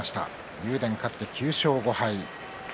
竜電、勝って９勝５敗。